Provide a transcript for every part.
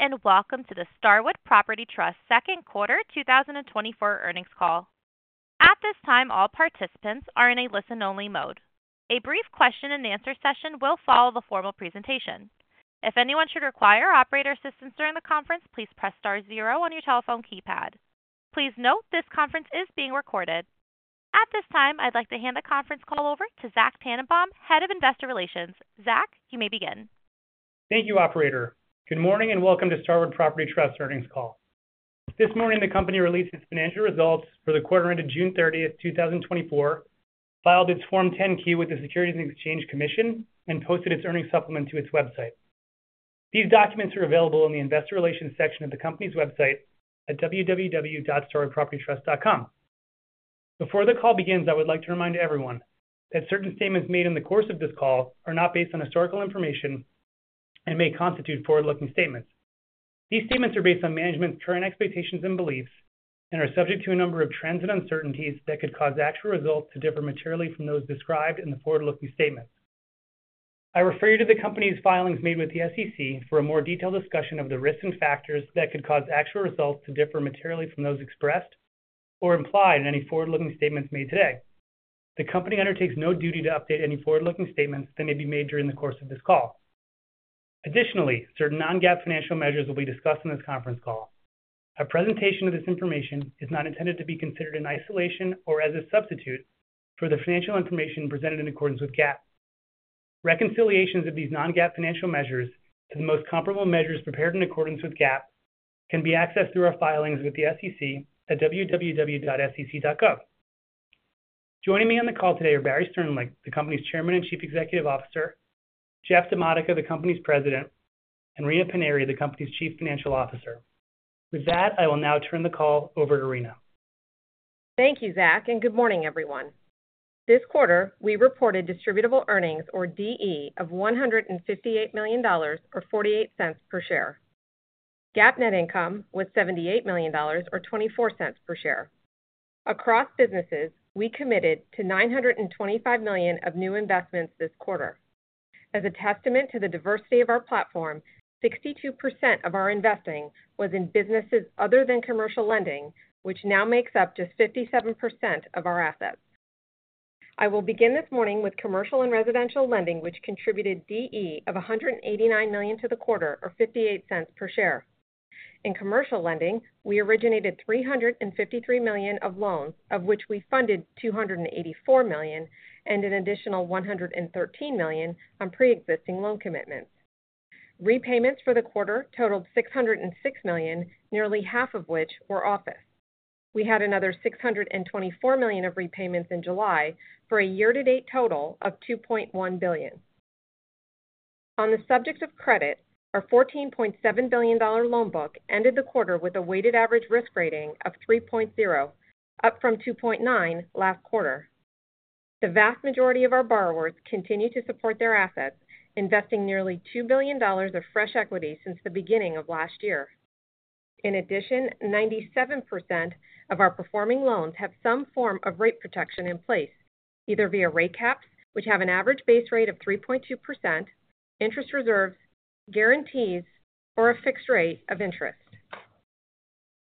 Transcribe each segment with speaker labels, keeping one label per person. Speaker 1: Greetings, and welcome to the Starwood Property Trust second quarter 2024 earnings call. At this time, all participants are in a listen-only mode. A brief question and answer session will follow the formal presentation. If anyone should require operator assistance during the conference, please press star zero on your telephone keypad. Please note, this conference is being recorded. At this time, I'd like to hand the conference call over to Zach Tanenbaum, Head of Investor Relations. Zach, you may begin.
Speaker 2: Thank you, operator. Good morning, and welcome to Starwood Property Trust earnings call. This morning, the company released its financial results for the quarter ended June 30, 2024, filed its Form 10-K with the Securities and Exchange Commission, and posted its earnings supplement to its website. These documents are available in the Investor Relations section of the company's website at www.starwoodpropertytrust.com. Before the call begins, I would like to remind everyone that certain statements made in the course of this call are not based on historical information and may constitute forward-looking statements. These statements are based on management's current expectations and beliefs and are subject to a number of trends and uncertainties that could cause actual results to differ materially from those described in the forward-looking statements. I refer you to the company's filings made with the SEC for a more detailed discussion of the risks and factors that could cause actual results to differ materially from those expressed or implied in any forward-looking statements made today. The company undertakes no duty to update any forward-looking statements that may be made during the course of this call. Additionally, certain non-GAAP financial measures will be discussed in this conference call. A presentation of this information is not intended to be considered in isolation or as a substitute for the financial information presented in accordance with GAAP. Reconciliations of these non-GAAP financial measures to the most comparable measures prepared in accordance with GAAP can be accessed through our filings with the SEC at www.sec.gov. Joining me on the call today are Barry Sternlicht, the company's Chairman and Chief Executive Officer, Jeff DiModica, the company's President, and Rina Paniry, the company's Chief Financial Officer. With that, I will now turn the call over to Rina.
Speaker 3: Thank you, Zach, and good morning, everyone. This quarter, we reported distributable earnings or DE of $158 million, or $0.48 per share. GAAP net income was $78 million, or $0.24 per share. Across businesses, we committed to $925 million of new investments this quarter. As a testament to the diversity of our platform, 62% of our investing was in businesses other than commercial lending, which now makes up just 57% of our assets. I will begin this morning with commercial and residential lending, which contributed DE of $189 million to the quarter, or $0.58 per share. In commercial lending, we originated $353 million of loans, of which we funded $284 million and an additional $113 million on pre-existing loan commitments. Repayments for the quarter totaled $606 million, nearly half of which were office. We had another $624 million of repayments in July for a year-to-date total of $2.1 billion. On the subject of credit, our $14.7 billion loan book ended the quarter with a weighted average risk rating of 3.0, up from 2.9 last quarter. The vast majority of our borrowers continue to support their assets, investing nearly $2 billion of fresh equity since the beginning of last year. In addition, 97% of our performing loans have some form of rate protection in place, either via rate caps, which have an average base rate of 3.2%, interest reserves, guarantees, or a fixed rate of interest.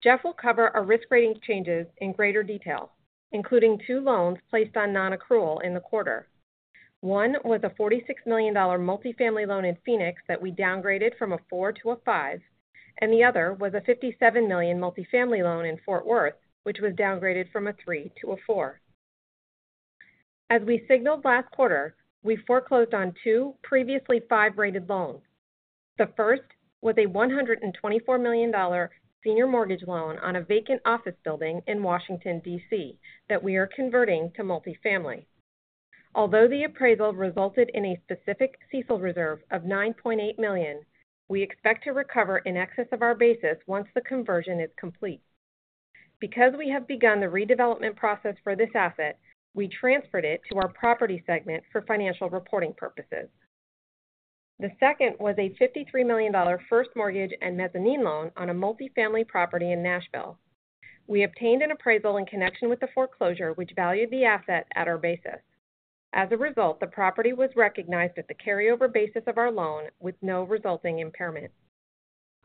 Speaker 3: Jeff will cover our risk rating changes in greater detail, including two loans placed on non-accrual in the quarter. One was a $46 million multifamily loan in Phoenix that we downgraded from a 4 to a 5, and the other was a $57 million multifamily loan in Fort Worth, which was downgraded from a 3 to a 4. As we signaled last quarter, we foreclosed on two previously 5-rated loans. The first was a $124 million senior mortgage loan on a vacant office building in Washington, D.C., that we are converting to multifamily. Although the appraisal resulted in a specific CECL reserve of $9.8 million, we expect to recover in excess of our basis once the conversion is complete. Because we have begun the redevelopment process for this asset, we transferred it to our property segment for financial reporting purposes. The second was a $53 million first mortgage and mezzanine loan on a multifamily property in Nashville. We obtained an appraisal in connection with the foreclosure, which valued the asset at our basis. As a result, the property was recognized at the carryover basis of our loan with no resulting impairment.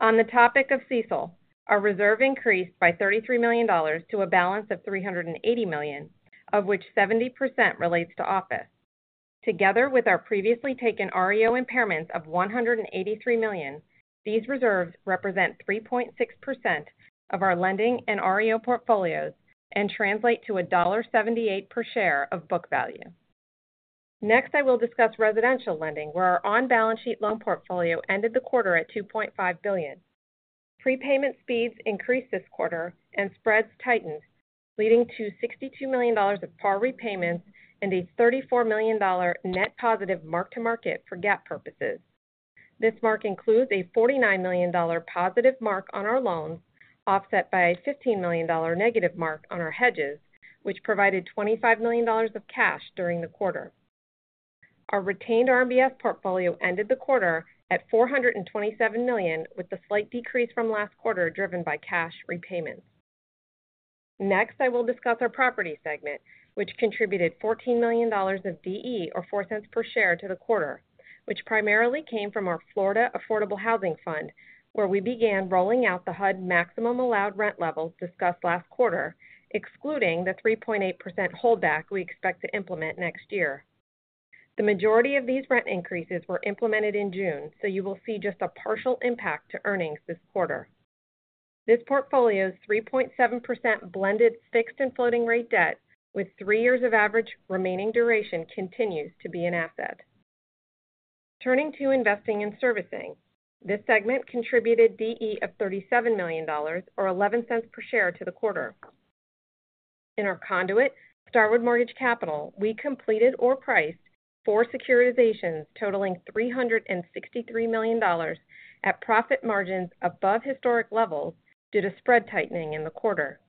Speaker 3: On the topic of CECL, our reserve increased by $33 million to a balance of $380 million, of which 70% relates to office. Together with our previously taken REO impairments of $183 million, these reserves represent 3.6% of our lending and REO portfolios and translate to $1.78 per share of book value. Next, I will discuss residential lending, where our on-balance sheet loan portfolio ended the quarter at $2.5 billion. Prepayment speeds increased this quarter and spreads tightened, leading to $62 million of par repayments and a $34 million net positive mark-to-market for GAAP purposes. This mark includes a $49 million positive mark on our loans, offset by a $15 million negative mark on our hedges, which provided $25 million of cash during the quarter. Our retained RMBS portfolio ended the quarter at $427 million, with the slight decrease from last quarter driven by cash repayments.... Next, I will discuss our property segment, which contributed $14 million of DE, or $0.04 per share, to the quarter, which primarily came from our Florida Affordable Housing Fund, where we began rolling out the HUD maximum allowed rent levels discussed last quarter, excluding the 3.8% holdback we expect to implement next year. The majority of these rent increases were implemented in June, so you will see just a partial impact to earnings this quarter. This portfolio's 3.7% blended fixed and floating rate debt with three years of average remaining duration continues to be an asset. Turning to investing in servicing, this segment contributed DE of $37 million or $0.11 per share to the quarter. In our conduit, Starwood Mortgage Capital, we completed or priced four securitizations totaling $363 million at profit margins above historic levels due to spread tightening in the quarter.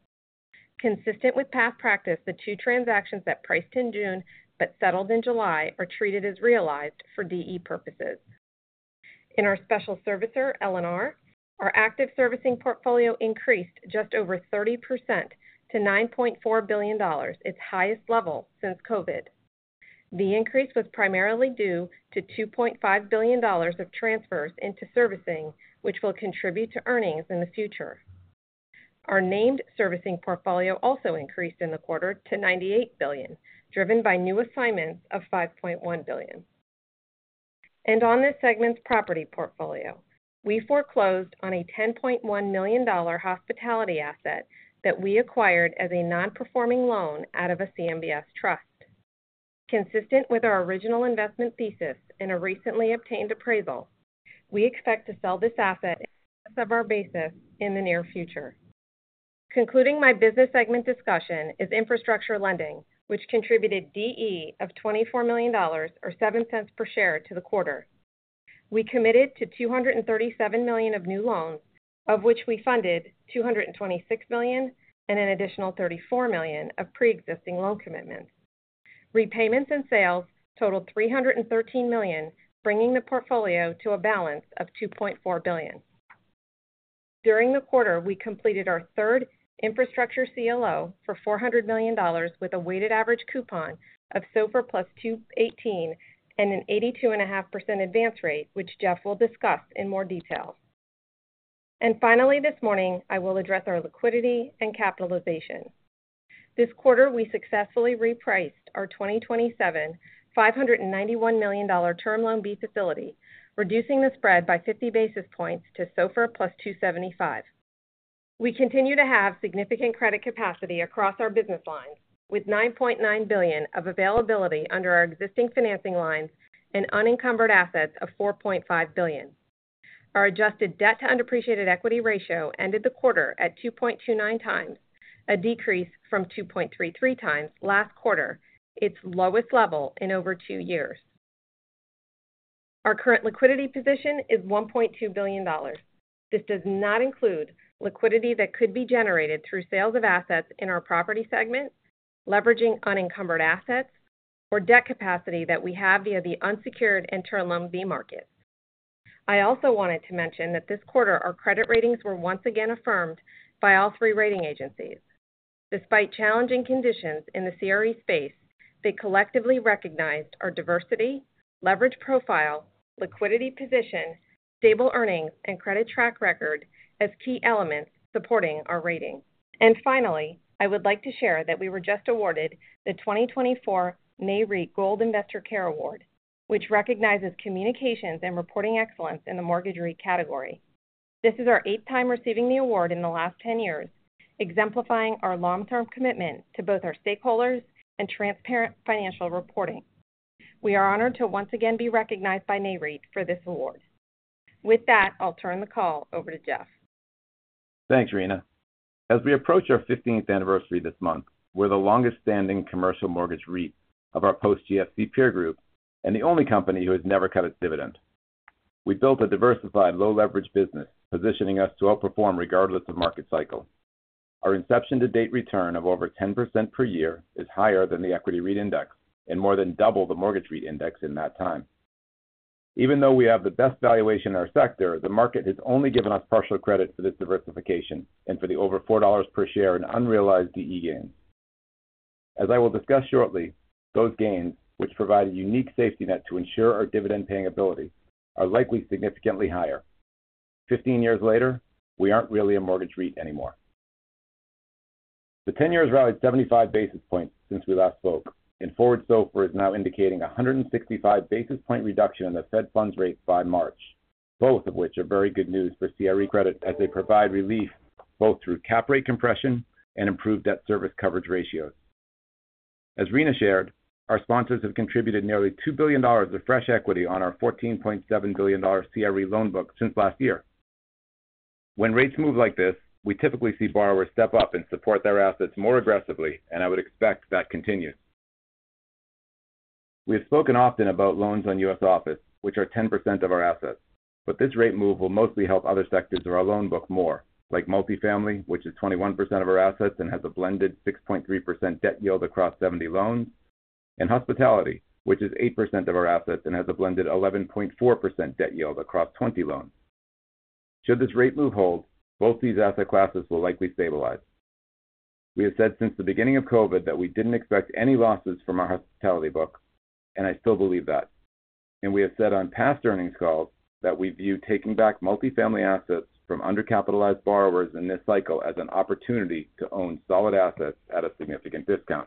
Speaker 3: Consistent with past practice, the two transactions that priced in June but settled in July are treated as realized for DE purposes. In our special servicer, LNR, our active servicing portfolio increased just over 30% to $9.4 billion, its highest level since COVID. The increase was primarily due to $2.5 billion of transfers into servicing, which will contribute to earnings in the future. Our named servicing portfolio also increased in the quarter to $98 billion, driven by new assignments of $5.1 billion. And on this segment's property portfolio, we foreclosed on a $10.1 million hospitality asset that we acquired as a non-performing loan out of a CMBS trust. Consistent with our original investment thesis in a recently obtained appraisal, we expect to sell this asset of our basis in the near future. Concluding my business segment discussion is infrastructure lending, which contributed DE of $24 million or $0.07 per share to the quarter. We committed to $237 million of new loans, of which we funded $226 million and an additional $34 million of pre-existing loan commitments. Repayments and sales totaled $313 million, bringing the portfolio to a balance of $2.4 billion. During the quarter, we completed our third infrastructure CLO for $400 million, with a weighted average coupon of SOFR + 2.18 and an 82.5% advance rate, which Jeff will discuss in more detail. And finally, this morning, I will address our liquidity and capitalization. This quarter, we successfully repriced our 2027 $591 million term loan B facility, reducing the spread by 50 basis points to SOFR + 2.75. We continue to have significant credit capacity across our business lines, with $9.9 billion of availability under our existing financing lines and unencumbered assets of $4.5 billion. Our adjusted debt-to-undepreciated equity ratio ended the quarter at 2.29 times, a decrease from 2.33 times last quarter, its lowest level in over two years. Our current liquidity position is $1.2 billion. This does not include liquidity that could be generated through sales of assets in our property segment, leveraging unencumbered assets, or debt capacity that we have via the unsecured term loan B market. I also wanted to mention that this quarter, our credit ratings were once again affirmed by all three rating agencies. Despite challenging conditions in the CRE space, they collectively recognized our diversity, leverage profile, liquidity position, stable earnings, and credit track record as key elements supporting our rating. Finally, I would like to share that we were just awarded the 2024 NAREIT Gold Investor Care Award, which recognizes communications and reporting excellence in the mortgage REIT category. This is our eighth time receiving the award in the last 10 years, exemplifying our long-term commitment to both our stakeholders and transparent financial reporting. We are honored to once again be recognized by NAREIT for this award. With that, I'll turn the call over to Jeff.
Speaker 4: Thanks, Rina. As we approach our 15th anniversary this month, we're the longest-standing commercial mortgage REIT of our post-GFC peer group and the only company who has never cut its dividend. We built a diversified, low-leverage business, positioning us to outperform regardless of market cycle. Our inception-to-date return of over 10% per year is higher than the equity REIT index and more than double the mortgage REIT index in that time. Even though we have the best valuation in our sector, the market has only given us partial credit for this diversification and for the over $4 per share in unrealized DE gains. As I will discuss shortly, those gains, which provide a unique safety net to ensure our dividend-paying ability, are likely significantly higher. Fifteen years later, we aren't really a mortgage REIT anymore. The 10-year has rallied 75 basis points since we last spoke, and forward SOFR is now indicating a 165 basis point reduction in the Fed funds rate by March, both of which are very good news for CRE credit as they provide relief both through cap rate compression and improved debt service coverage ratios. As Rina shared, our sponsors have contributed nearly $2 billion of fresh equity on our $14.7 billion CRE loan book since last year. When rates move like this, we typically see borrowers step up and support their assets more aggressively, and I would expect that continues. We have spoken often about loans on U.S. office, which are 10% of our assets, but this rate move will mostly help other sectors of our loan book more, like multifamily, which is 21% of our assets and has a blended 6.3% debt yield across 70 loans, and hospitality, which is 8% of our assets and has a blended 11.4% debt yield across 20 loans. Should this rate move hold, both these asset classes will likely stabilize. We have said since the beginning of COVID that we didn't expect any losses from our hospitality book, and I still believe that. We have said on past earnings calls that we view taking back multifamily assets from undercapitalized borrowers in this cycle as an opportunity to own solid assets at a significant discount.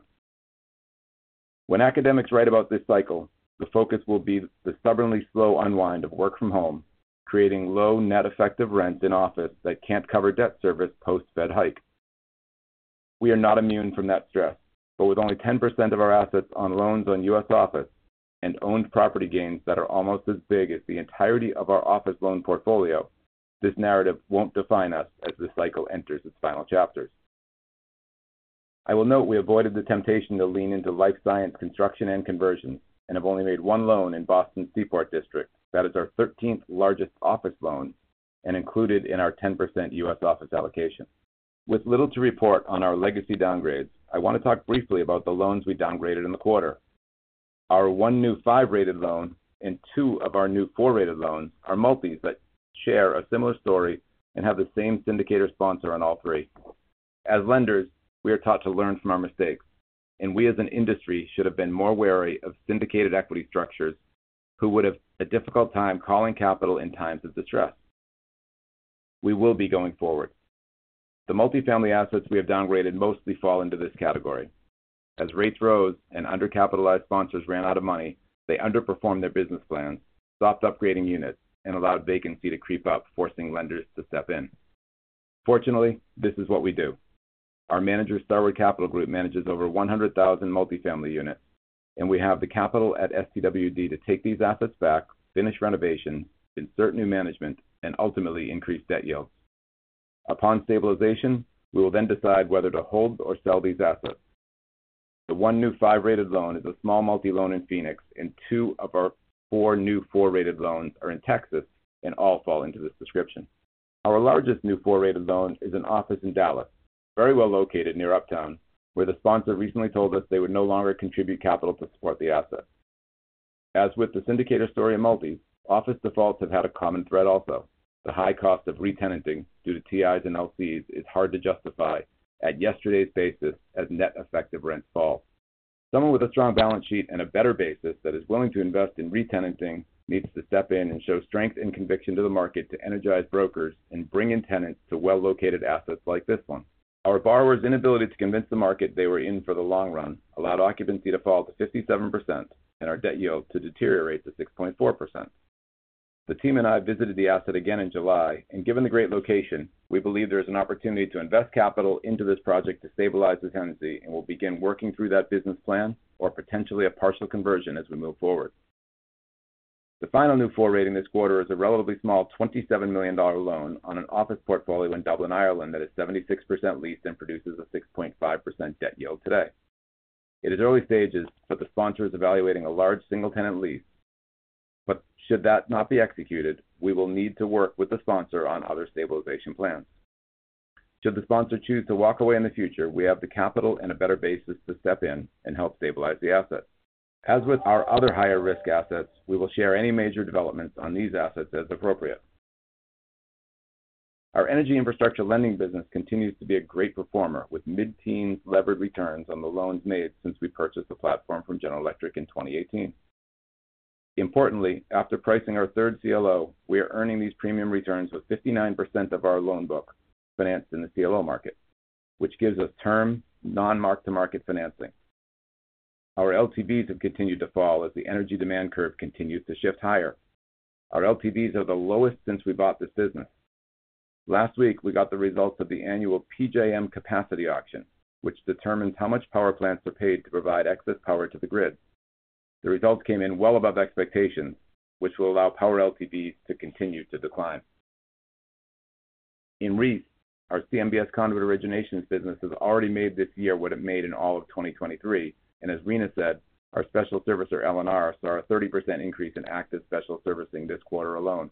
Speaker 4: When academics write about this cycle, the focus will be the stubbornly slow unwind of work from home, creating low net effective rent in office that can't cover debt service post Fed hike. We are not immune from that stress, but with only 10% of our assets on loans on U.S. office and owned property gains that are almost as big as the entirety of our office loan portfolio, this narrative won't define us as this cycle enters its final chapters. I will note we avoided the temptation to lean into life science, construction, and conversion, and have only made one loan in Boston's Seaport District. That is our thirteenth-largest office loan and included in our 10% U.S. office allocation. With little to report on our legacy downgrades, I want to talk briefly about the loans we downgraded in the quarter. Our one new 5-rated loan and two of our new 4-rated loans are multis that share a similar story and have the same syndicator sponsor on all three. As lenders, we are taught to learn from our mistakes, and we, as an industry, should have been more wary of syndicated equity structures who would have a difficult time calling capital in times of distress. We will be going forward. The multifamily assets we have downgraded mostly fall into this category. As rates rose and undercapitalized sponsors ran out of money, they underperformed their business plans, stopped upgrading units, and allowed vacancy to creep up, forcing lenders to step in. Fortunately, this is what we do. Our manager, Starwood Capital Group, manages over 100,000 multifamily units, and we have the capital at STWD to take these assets back, finish renovation, insert new management, and ultimately increase debt yields. Upon stabilization, we will then decide whether to hold or sell these assets. The 1 new 5-rated loan is a small multi loan in Phoenix, and 2 of our 4 new 4-rated loans are in Texas and all fall into this description. Our largest new 4-rated loan is an office in Dallas, very well located near Uptown, where the sponsor recently told us they would no longer contribute capital to support the asset. As with the syndicator story in multis, office defaults have had a common thread also. The high cost of retenanting due to TIs and LCs is hard to justify at yesterday's basis as net effective rents fall. Someone with a strong balance sheet and a better basis that is willing to invest in retenanting needs to step in and show strength and conviction to the market to energize brokers and bring in tenants to well-located assets like this one. Our borrower's inability to convince the market they were in for the long run allowed occupancy to fall to 57% and our debt yield to deteriorate to 6.4%. The team and I visited the asset again in July, and given the great location, we believe there is an opportunity to invest capital into this project to stabilize the tenancy and will begin working through that business plan or potentially a partial conversion as we move forward. The final new four rating this quarter is a relatively small $27 million loan on an office portfolio in Dublin, Ireland, that is 76% leased and produces a 6.5% debt yield today. It is early stages, but the sponsor is evaluating a large single-tenant lease. Should that not be executed, we will need to work with the sponsor on other stabilization plans. Should the sponsor choose to walk away in the future, we have the capital and a better basis to step in and help stabilize the asset. As with our other higher-risk assets, we will share any major developments on these assets as appropriate. Our energy infrastructure lending business continues to be a great performer, with mid-teen levered returns on the loans made since we purchased the platform from General Electric in 2018. Importantly, after pricing our third CLO, we are earning these premium returns with 59% of our loan book financed in the CLO market, which gives us term non-mark-to-market financing. Our LTVs have continued to fall as the energy demand curve continues to shift higher. Our LTVs are the lowest since we bought this business. Last week, we got the results of the annual PJM capacity auction, which determines how much power plants are paid to provide excess power to the grid. The results came in well above expectations, which will allow power LTVs to continue to decline. In REIT, our CMBS conduit originations business has already made this year what it made in all of 2023, and as Rina said, our special servicer, LNR, saw a 30% increase in active special servicing this quarter alone,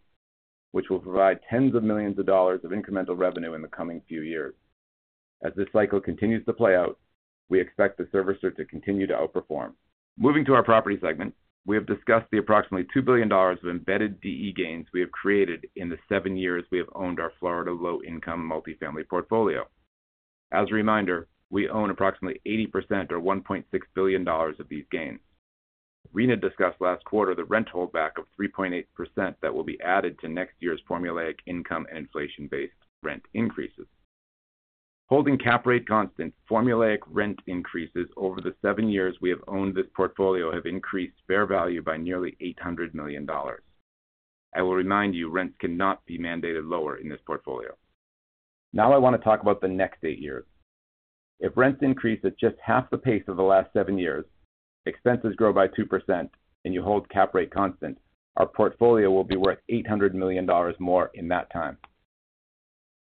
Speaker 4: which will provide tens of millions of dollars of incremental revenue in the coming few years. As this cycle continues to play out, we expect the servicer to continue to outperform. Moving to our property segment, we have discussed the approximately $2 billion of embedded DE gains we have created in the seven years we have owned our Florida low-income multifamily portfolio. As a reminder, we own approximately 80% or $1.6 billion of these gains. Rina discussed last quarter the rent holdback of 3.8% that will be added to next year's formulaic income and inflation-based rent increases. Holding cap rate constant, formulaic rent increases over the 7 years we have owned this portfolio have increased fair value by nearly $800 million. I will remind you, rents cannot be mandated lower in this portfolio. Now I want to talk about the next 8 years. If rents increase at just half the pace of the last 7 years, expenses grow by 2% and you hold cap rate constant, our portfolio will be worth $800 million more in that time.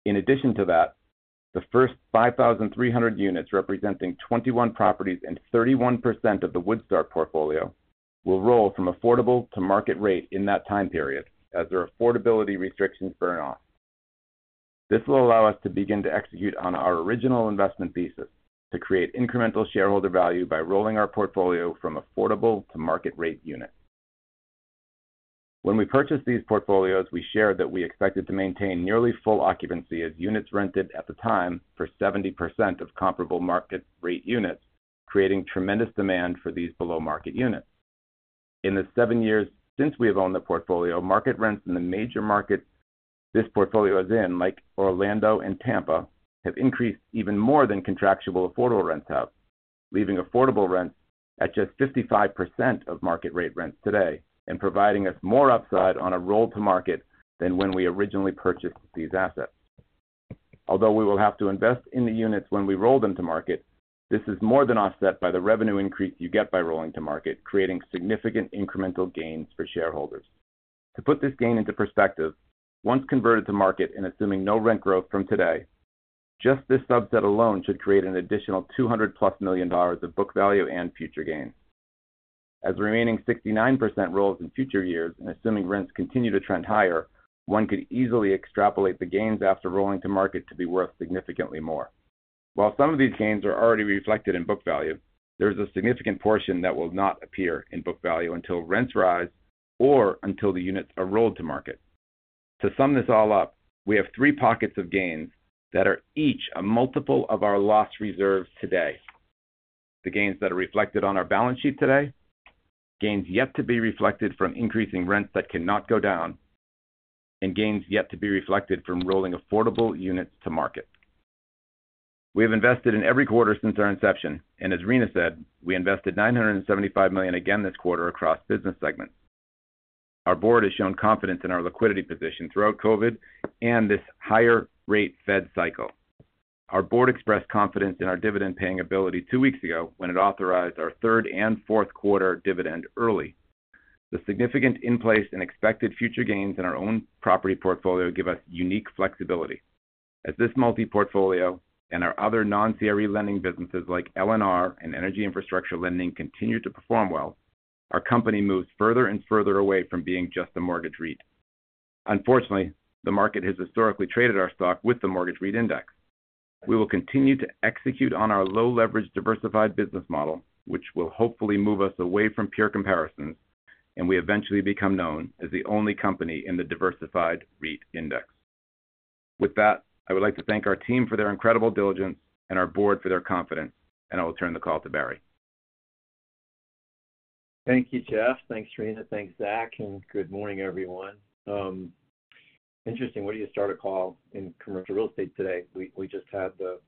Speaker 4: In addition to that, the first 5,300 units, representing 21 properties and 31% of the Woodstar Portfolio, will roll from affordable to market rate in that time period as their affordability restrictions burn off. This will allow us to begin to execute on our original investment thesis, to create incremental shareholder value by rolling our portfolio from affordable to market rate units. When we purchased these portfolios, we shared that we expected to maintain nearly full occupancy as units rented at the time for 70% of comparable market rate units, creating tremendous demand for these below-market units. In the seven years since we have owned the portfolio, market rents in the major markets this portfolio is in, like Orlando and Tampa, have increased even more than contractual affordable rents have, leaving affordable rents at just 55% of market rate rents today and providing us more upside on a roll to market than when we originally purchased these assets. Although we will have to invest in the units when we roll them to market, this is more than offset by the revenue increase you get by rolling to market, creating significant incremental gains for shareholders. To put this gain into perspective, once converted to market and assuming no rent growth from today, just this subset alone should create an additional $200+ million of book value and future gains. As the remaining 69% rolls in future years and assuming rents continue to trend higher, one could easily extrapolate the gains after rolling to market to be worth significantly more. While some of these gains are already reflected in book value, there's a significant portion that will not appear in book value until rents rise or until the units are rolled to market. To sum this all up, we have three pockets of gains that are each a multiple of our loss reserves today. The gains that are reflected on our balance sheet today, gains yet to be reflected from increasing rents that cannot go down, and gains yet to be reflected from rolling affordable units to market. We have invested in every quarter since our inception, and as Rina said, we invested $975 million again this quarter across business segments. Our board has shown confidence in our liquidity position throughout COVID and this higher rate Fed cycle. Our board expressed confidence in our dividend-paying ability two weeks ago when it authorized our third and fourth quarter dividend early. The significant in-place and expected future gains in our own property portfolio give us unique flexibility. As this multi-portfolio and our other non-CRE lending businesses like LNR and energy infrastructure lending continue to perform well, our company moves further and further away from being just a mortgage REIT. Unfortunately, the market has historically traded our stock with the mortgage REIT index. We will continue to execute on our low-leverage, diversified business model, which will hopefully move us away from peer comparisons, and we eventually become known as the only company in the diversified REIT index. With that, I would like to thank our team for their incredible diligence and our board for their confidence, and I will turn the call to Barry.
Speaker 5: Thank you, Jeff. Thanks, Rina. Thanks, Zach, and good morning, everyone. Interesting, where do you start a call in commercial real estate today? We just had a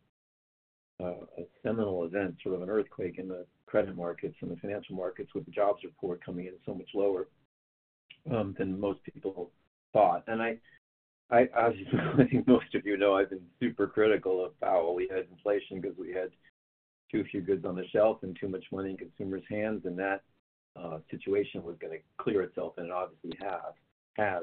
Speaker 5: seminal event, sort of an earthquake in the credit markets and the financial markets, with the jobs report coming in so much lower than most people thought. And as most of you know, I've been super critical of how we had inflation because we had too few goods on the shelf and too much money in consumers' hands, and that situation was gonna clear itself, and it obviously has.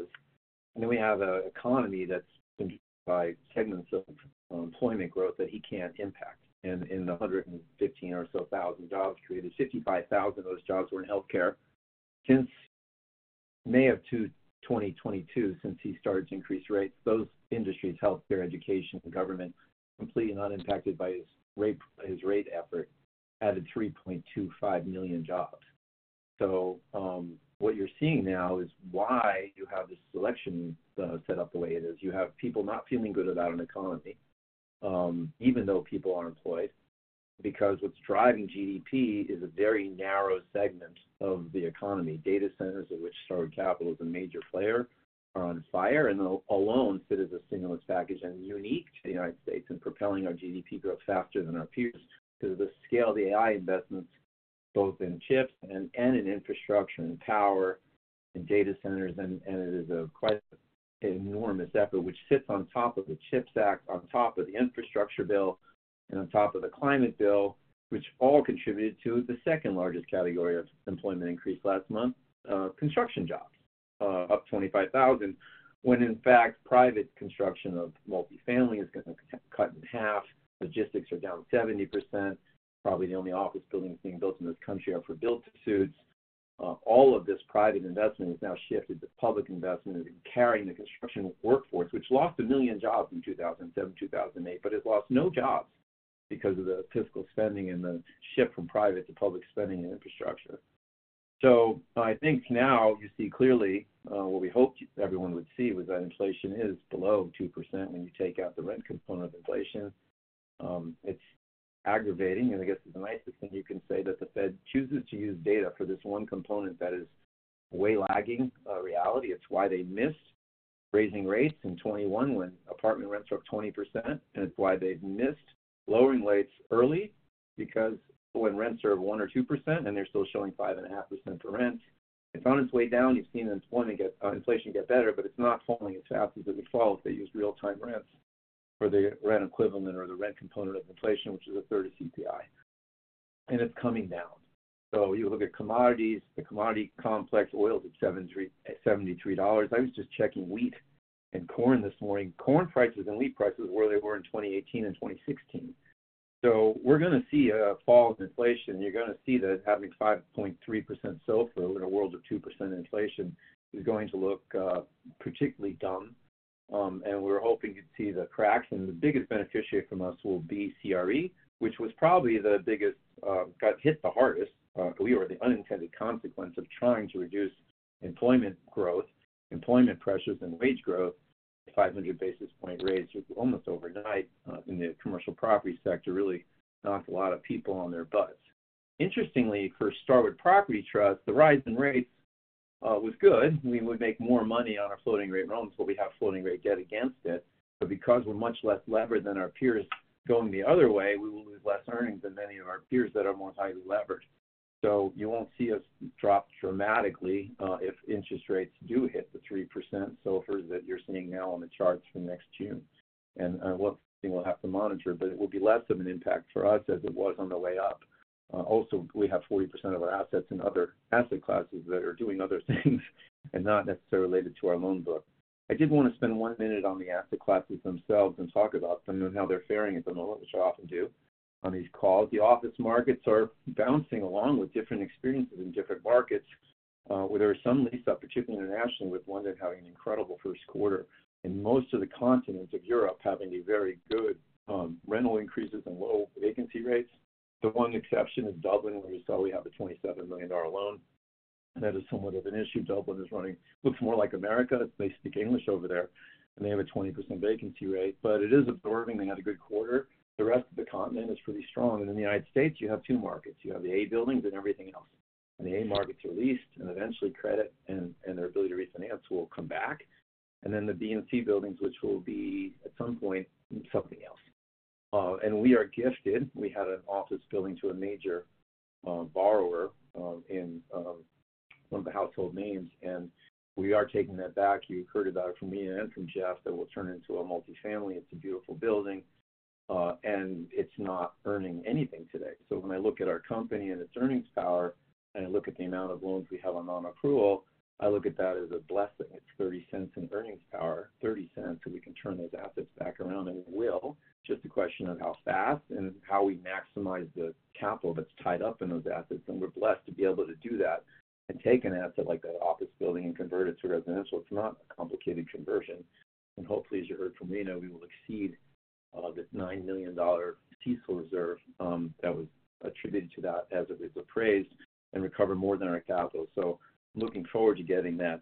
Speaker 5: And then we have an economy that's been by segments of employment growth that he can't impact. And in the 115,000 or so jobs created, 55,000 of those jobs were in healthcare. Since May of 2022, since he started to increase rates, those industries, healthcare, education, and government, completely unimpacted by his rate, his rate effort, added 3.25 million jobs. So, what you're seeing now is why you have this election set up the way it is. You have people not feeling good about an economy, even though people are employed, because what's driving GDP is a very narrow segment of the economy. Data centers, of which Starwood Capital is a major player, are on fire and alone sit as a stimulus package and unique to the United States in propelling our GDP growth faster than our peers. Because of the scale of the AI investments, both in chips and in infrastructure and power and data centers, and it is a quite enormous effort, which sits on top of the CHIPS Act, on top of the infrastructure bill, and on top of the climate bill, which all contributed to the second-largest category of employment increase last month, construction jobs up 25,000, when in fact, private construction of multifamily has gotten cut in half. Logistics are down 70%. Probably the only office buildings being built in this country are for build-to-suit. All of this private investment has now shifted to public investment and carrying the construction workforce, which lost 1 million jobs in 2007, 2008. But it lost no jobs because of the fiscal spending and the shift from private to public spending in infrastructure. So I think now you see clearly, what we hoped everyone would see was that inflation is below 2% when you take out the rent component of inflation. It's aggravating, and I guess the nicest thing you can say, that the Fed chooses to use data for this one component that is way lagging, reality. It's why they missed raising rates in 2021 when apartment rents were up 20%, and it's why they've missed lowering rates early, because when rents are 1% or 2% and they're still showing 5.5% for rent, it's on its way down. You've seen inflation get better, but it's not falling as fast as it would fall if they used real-time rents or the rent equivalent or the rent component of inflation, which is a third of CPI, and it's coming down. So you look at commodities, the commodity complex, oil is at $73. I was just checking wheat and corn this morning. Corn prices and wheat prices are where they were in 2018 and 2016. So we're gonna see a fall of inflation. You're gonna see that having 5.3% SOFR in a world of 2% inflation is going to look particularly dumb. And we're hoping to see the cracks, and the biggest beneficiary from us will be CRE, which was probably the biggest got hit the hardest. We were the unintended consequence of trying to reduce employment growth, employment pressures, and wage growth. 500 basis point rates almost overnight in the commercial property sector really knocked a lot of people on their butts. Interestingly, for Starwood Property Trust, the rise in rates was good. We would make more money on our floating rate loans, but we have floating rate debt against it. But because we're much less levered than our peers, going the other way, we will lose less earnings than many of our peers that are more highly leveraged. So you won't see us drop dramatically, if interest rates do hit the 3% SOFR that you're seeing now on the charts for next June. And, what we'll have to monitor, but it will be less of an impact for us as it was on the way up. Also, we have 40% of our assets in other asset classes that are doing other things and not necessarily related to our loan book. I did wanna spend one minute on the asset classes themselves and talk about them and how they're faring at the moment, which I often do on these calls. The office markets are bouncing along with different experiences in different markets, where there are some lease up, particularly internationally, with London having an incredible first quarter, and most of the continents of Europe having a very good, rental increases and low vacancy rates. The one exception is Dublin, where you saw we have a $27 million loan, and that is somewhat of an issue. Dublin is running, looks more like America. They speak English over there, and they have a 20% vacancy rate, but it is absorbing. They had a good quarter. The rest of the continent is pretty strong. In the United States, you have two markets. You have the A buildings and everything else. And the A markets are leased, and eventually, credit and, and their ability to refinance will come back. And then the B and C buildings, which will be, at some point, something else. And we are gifted. We had an office building to a major borrower, in, one of the household names, and we are taking that back. You heard about it from me and from Jeff, that will turn into a multifamily. It's a beautiful building, and it's not earning anything today. So when I look at our company and its earnings power, and I look at the amount of loans we have on non-accrual, I look at that as a blessing. It's $0.30 in earnings power, $0.30, so we can turn those assets back around, and we will. Just a question of how fast and how we maximize the capital that's tied up in those assets, and we're blessed to be able to do that and take an asset like that office building and convert it to residential. It's not a complicated conversion. Hopefully, as you heard from Rina, we will exceed this $9 million TCJA reserve that was attributed to that as it was appraised, and recover more than our capital. So looking forward to getting that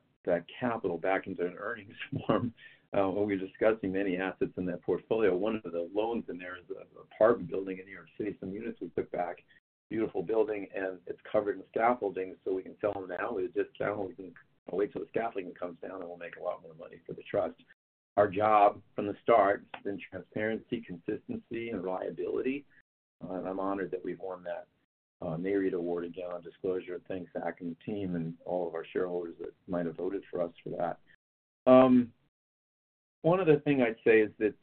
Speaker 5: capital back into an earnings form. When we were discussing many assets in that portfolio, one of the loans in there is an apartment building in New York City, some units we took back. Beautiful building, and it's covered in scaffolding, so we can tell them, "Now, just down, we can wait till the scaffolding comes down, and we'll make a lot more money for the trust." Our job from the start has been transparency, consistency, and reliability. I'm honored that we've won that NAREIT Award again on disclosure. Thanks to IR team and all of our shareholders that might have voted for us for that. One other thing I'd say is that,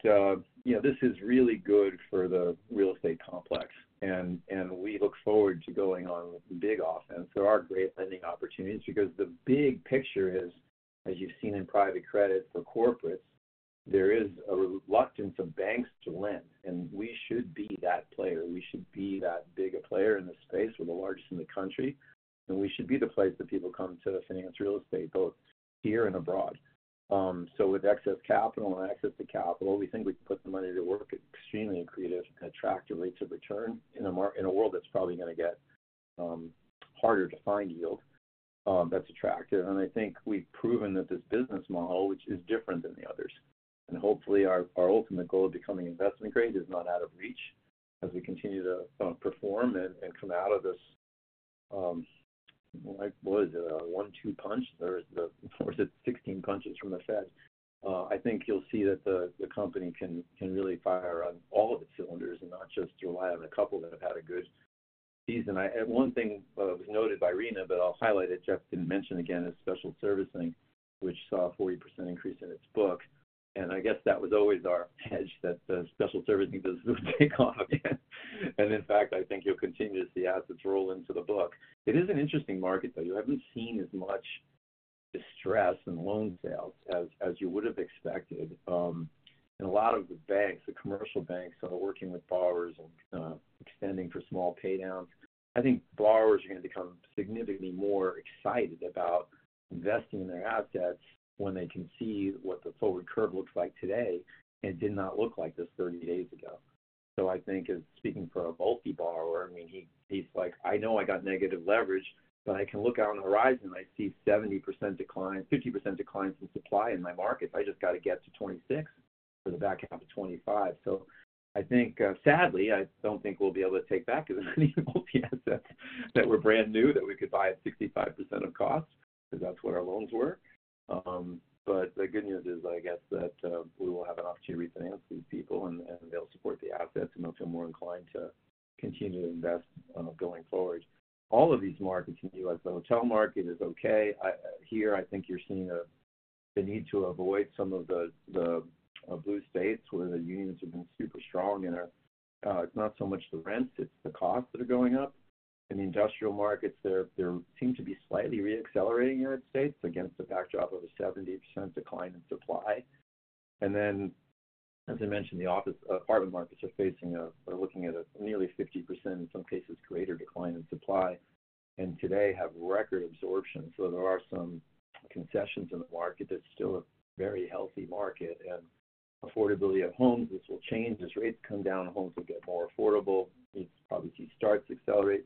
Speaker 5: you know, this is really good for the real estate complex, and we look forward to going on big offense. There are great lending opportunities because the big picture is, as you've seen in private credit for corporates, there is a reluctance of banks to lend, and we should be that player. We should be that bigger player in this space. We're the largest in the country, and we should be the place that people come to finance real estate, both here and abroad. So with excess capital and access to capital, we think we can put the money to work extremely creative and attractive rates of return in a world that's probably gonna get harder to find yield that's attractive. And I think we've proven that this business model, which is different than the others, and hopefully, our ultimate goal of becoming investment-grade is not out of reach as we continue to perform and come out of this, what was it? A one-two punch or was it 16 punches from the Fed? I think you'll see that the company can really fire on all of its cylinders and not just rely on a couple that have had a good season. I, and one thing, was noted by Rina, but I'll highlight it, Jeff didn't mention again, is special servicing, which saw a 40% increase in its books. I guess that was always our hedge, that the special servicing business would take off again. In fact, I think you'll continue to see assets roll into the book. It is an interesting market, though. You haven't seen as much distress in loan sales as you would have expected. A lot of the banks, the commercial banks, are working with borrowers and extending for small pay downs. I think borrowers are going to become significantly more excited about investing in their assets when they can see what the forward curve looks like today, and it did not look like this 30 days ago. So I think as speaking for a multi-borrower, I mean, he, he's like: I know I got negative leverage, but I can look out on the horizon. I see 70% decline, 50% declines in supply in my markets. I just got to get to 2026 for the back half of 2025. So I think, sadly, I don't think we'll be able to take back as many multi-asset that were brand new, that we could buy at 65% of cost, because that's what our loans were. But the good news is, I guess, that we will have an opportunity to refinance these people, and they'll support the assets, and they'll feel more inclined to continue to invest going forward. All of these markets, the U.S. hotel market is okay. Here, I think you're seeing the need to avoid some of the blue states where the unions have been super strong, and it's not so much the rents, it's the costs that are going up in the industrial markets. There seem to be slightly reaccelerating United States against the backdrop of a 70% decline in supply. And then, as I mentioned, the office apartment markets are facing, are looking at a nearly 50%, in some cases, greater decline in supply, and today have record absorption. So there are some concessions in the market. That's still a very healthy market, and affordability of homes, this will change. As rates come down, homes will get more affordable. We'd probably see starts accelerate.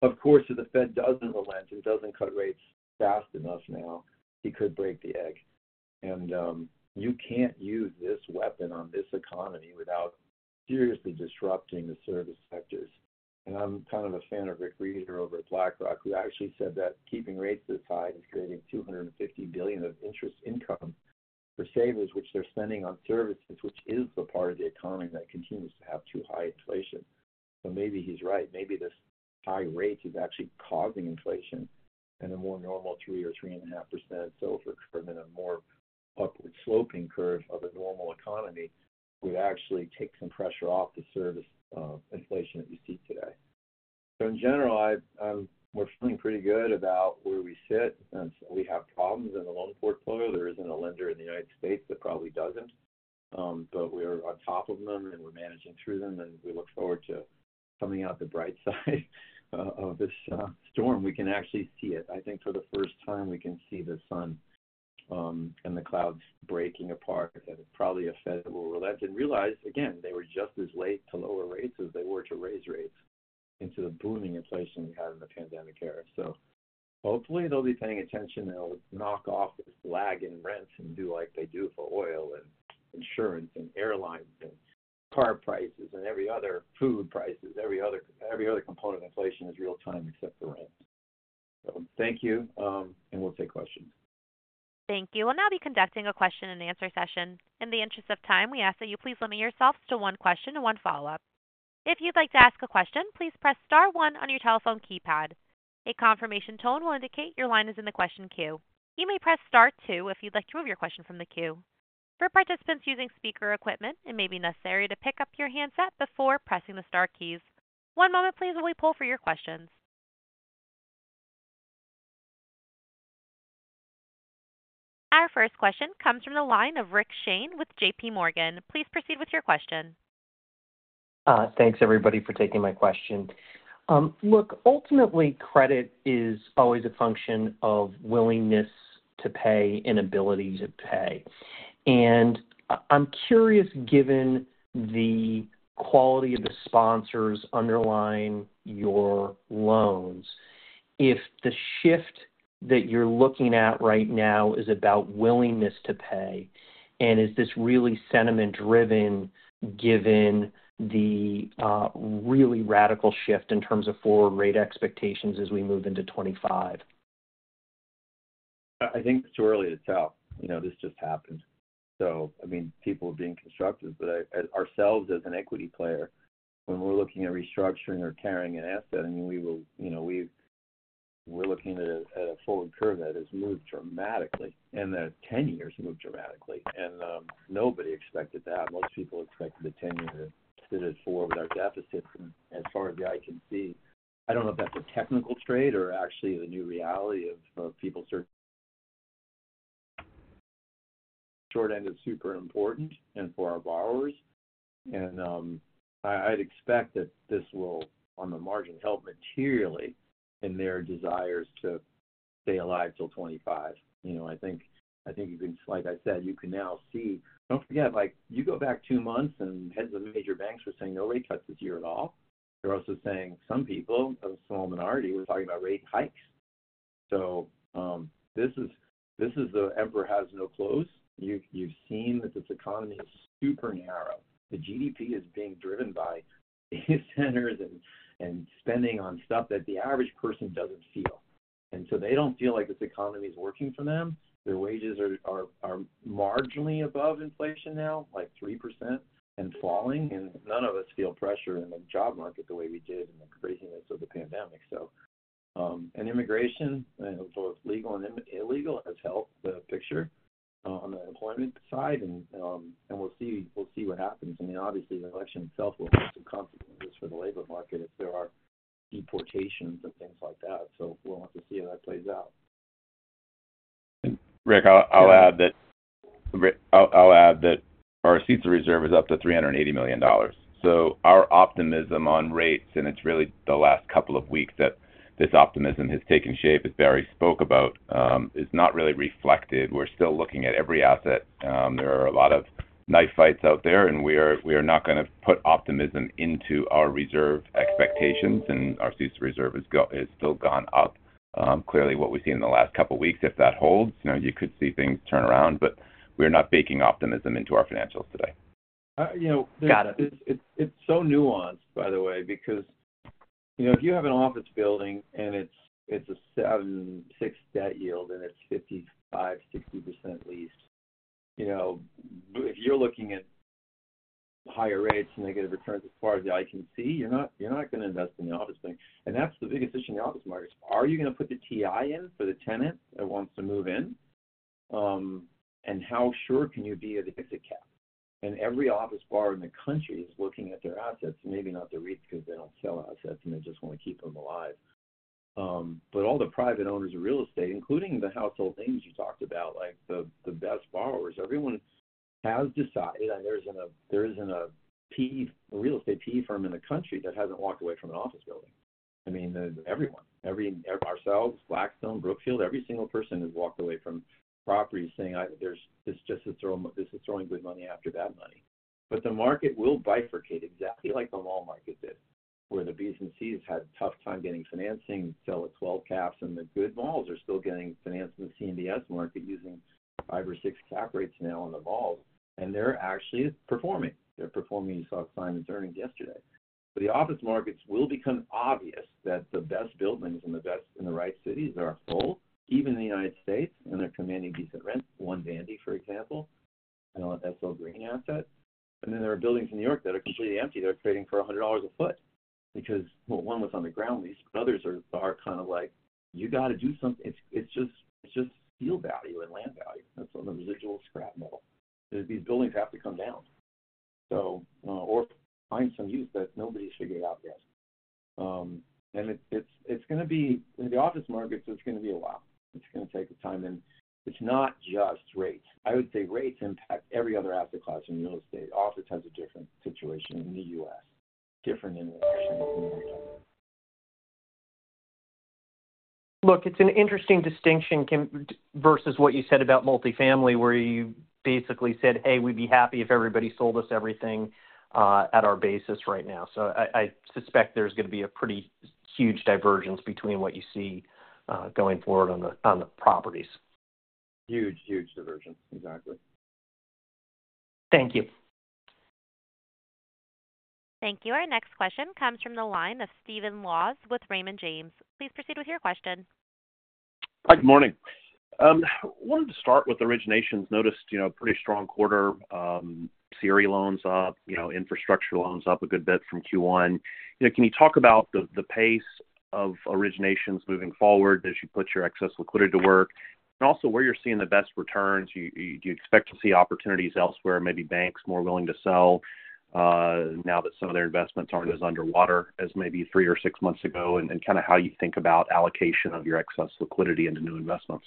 Speaker 5: Of course, if the Fed doesn't relent and doesn't cut rates fast enough now, he could break the egg. And you can't use this weapon on this economy without seriously disrupting the service sectors. And I'm kind of a fan of Rick Rieder over at BlackRock, who actually said that keeping rates this high is creating $250 billion of interest income for savers, which they're spending on services, which is the part of the economy that continues to have too high inflation. So maybe he's right. Maybe this high rate is actually causing inflation and a more normal 2% or 3.5%. So for a more upward sloping curve of a normal economy, would actually take some pressure off the services inflation that you see today. So in general, I, we're feeling pretty good about where we sit, and so we have problems in the loan portfolio. There isn't a lender in the United States that probably doesn't, but we're on top of them, and we're managing through them, and we look forward to coming out on the bright side of this storm. We can actually see it. I think for the first time, we can see the sun and the clouds breaking apart. Probably the Fed will relent and realize, again, they were just as late to lower rates as they were to raise rates into the booming inflation we had in the pandemic era. So hopefully, they'll be paying attention, and they'll knock off this lag in rents and do like they do for oil and insurance and airlines and car prices and every other food prices. Every other component of inflation is real-time except the rent. So thank you, and we'll take questions.
Speaker 1: Thank you. We'll now be conducting a question-and-answer session. In the interest of time, we ask that you please limit yourselves to one question and one follow-up. If you'd like to ask a question, please press star one on your telephone keypad. A confirmation tone will indicate your line is in the question queue. You may press star two if you'd like to remove your question from the queue. For participants using speaker equipment, it may be necessary to pick up your handset before pressing the star keys. One moment please, while we poll for your questions. Our first question comes from the line of Rick Shane with J.P. Morgan. Please proceed with your question.
Speaker 6: Thanks, everybody, for taking my question. Look, ultimately, credit is always a function of willingness to pay and ability to pay. And I, I'm curious, given the quality of the sponsors underlying your loans, if the shift that you're looking at right now is about willingness to pay, and is this really sentiment-driven, given the really radical shift in terms of forward rate expectations as we move into 2025?
Speaker 5: I think it's too early to tell. You know, this just happened. So, I mean, people are being constructive, but I, ourselves, as an equity player, when we're looking at restructuring or carrying an asset, I mean, we will, you know, we've, we're looking at a, at a forward curve that has moved dramatically and the 10-year moved dramatically, and nobody expected that. Most people expected the 10-year to sit at 4 with our deficits. And as far as the eye can see, I don't know if that's a technical trade or actually the new reality of, of people search. Short end is super important and for our borrowers, and I, I'd expect that this will, on the margin, help materially in their desires to stay alive till 25. You know, I think, I think, like I said, you can now see. Don't forget, like, you go back two months, and heads of major banks were saying, "No rate cuts this year at all." They're also saying some people, a small minority, were talking about rate hikes. So, this is, this is the emperor has no clothes. You've, you've seen that this economy is super narrow. The GDP is being driven by data centers and spending on stuff that the average person doesn't feel. And so they don't feel like this economy is working for them. Their wages are marginally above inflation now, like 3% and falling, and none of us feel pressure in the job market the way we did in the craziness of the pandemic. So, and immigration, both legal and illegal, has helped the picture on the employment side, and we'll see, we'll see what happens. I mean, obviously, the election itself will have some consequences for the labor market if there are deportations and things like that, so we'll have to see how that plays out.
Speaker 4: Rick, I'll add that our CECL reserve is up to $380 million. So our optimism on rates, and it's really the last couple of weeks that this optimism has taken shape, as Barry spoke about, is not really reflected. We're still looking at every asset. There are a lot of knife fights out there, and we are not gonna put optimism into our reserve expectations, and our CECL reserve has still gone up. Clearly, what we've seen in the last couple of weeks, if that holds, you know, you could see things turn around, but we're not baking optimism into our financials today.
Speaker 5: you know-
Speaker 6: Got it.
Speaker 5: It's so nuanced, by the way, because, you know, if you have an office building and it's a 7.6 debt yield and it's 55%-60% leased, you know, if you're looking at higher rates and negative returns, as far as the eye can see, you're not, you're not gonna invest in the office building. And that's the big decision in the office markets. Are you gonna put the TI in for the tenant that wants to move in?... and how sure can you be of the exit cap? And every office owner in the country is looking at their assets, maybe not the REITs, because they don't sell assets and they just want to keep them alive. But all the private owners of real estate, including the household names you talked about, like the best borrowers, everyone has decided, and there isn't a PE, a real estate PE firm in the country that hasn't walked away from an office building. I mean, everyone, ourselves, Blackstone, Brookfield, every single person has walked away from properties saying either this is just throwing good money after bad money. But the market will bifurcate exactly like the mall market did, where the B's and C's had a tough time getting financing, sell at 12 caps, and the good malls are still getting financed in the CMBS market using 5 or 6 cap rates now on the malls, and they're actually performing. They're performing. You saw Simon's earnings yesterday. But the office markets will become obvious that the best buildings in the best, in the right cities are full, even in the United States, and they're commanding decent rents. One Vandy, for example, and that's all green asset. And then there are buildings in New York that are completely empty. They're trading for $100 a foot because, well, one was on the ground lease. Others are, are kind of like, you got to do something. It's, it's just, it's just field value and land value. That's on the residual scrap metal. These buildings have to come down, so, or find some use that nobody figured out yet. And it, it's, it's going to be... In the office markets, it's going to be a while. It's going to take the time, and it's not just rates. I would say rates impact every other asset class in real estate. Office has a different situation in the U.S., different in Europe.
Speaker 6: Look, it's an interesting distinction, Kim, versus what you said about multifamily, where you basically said, "Hey, we'd be happy if everybody sold us everything at our basis right now." So I suspect there's going to be a pretty huge divergence between what you see going forward on the properties.
Speaker 5: Huge, huge divergence. Exactly.
Speaker 6: Thank you.
Speaker 1: Thank you. Our next question comes from the line of Stephen Laws with Raymond James. Please proceed with your question.
Speaker 7: Hi, good morning. Wanted to start with originations. Noticed, you know, pretty strong quarter, CRE loans up, you know, infrastructure loans up a good bit from Q1. You know, can you talk about the pace of originations moving forward as you put your excess liquidity to work and also where you're seeing the best returns? Do you expect to see opportunities elsewhere, maybe banks more willing to sell now that some of their investments aren't as underwater as maybe three or six months ago, and kind of how you think about allocation of your excess liquidity into new investments?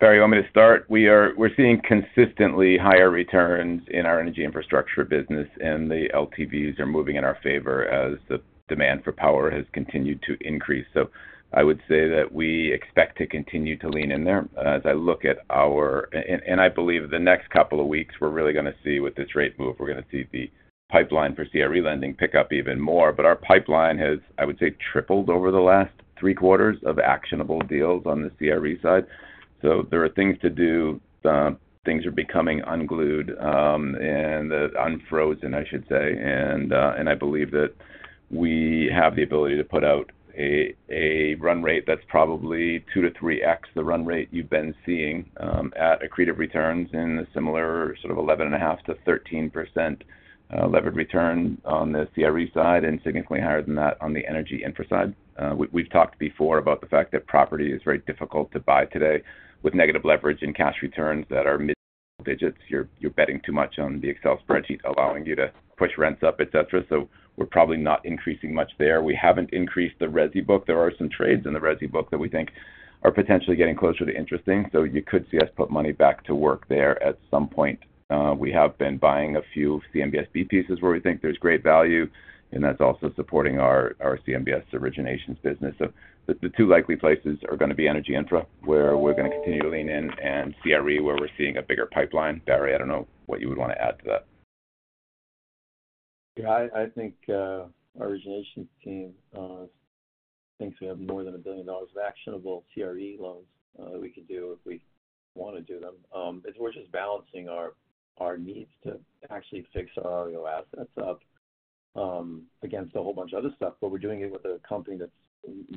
Speaker 4: Barry, you want me to start? We're seeing consistently higher returns in our energy infrastructure business, and the LTVs are moving in our favor as the demand for power has continued to increase. So I would say that we expect to continue to lean in there. As I look at our, I believe the next couple of weeks, we're really going to see with this rate move, we're going to see the pipeline for CRE lending pick up even more. But our pipeline has, I would say, tripled over the last three quarters of actionable deals on the CRE side. So there are things to do. Things are becoming unglued, and unfrozen, I should say. I believe that we have the ability to put out a run rate that's probably 2-3x the run rate you've been seeing at accretive returns in a similar sort of 11.5%-13% levered return on the CRE side, and significantly higher than that on the energy infra side. We've talked before about the fact that property is very difficult to buy today with negative leverage in cash returns that are mid digits. You're betting too much on the Excel spreadsheet, allowing you to push rents up, et cetera. So we're probably not increasing much there. We haven't increased the resi book. There are some trades in the resi book that we think are potentially getting closer to interesting, so you could see us put money back to work there at some point. We have been buying a few CMBS B-pieces where we think there's great value, and that's also supporting our CMBS originations business. So the two likely places are going to be energy infra, where we're going to continue to lean in, and CRE, where we're seeing a bigger pipeline. Barry, I don't know what you would want to add to that.
Speaker 5: Yeah, I think our origination team thinks we have more than $1 billion of actionable CRE loans we could do if we want to do them. It's we're just balancing our needs to actually fix our IO assets up against a whole bunch of other stuff. But we're doing it with a company that's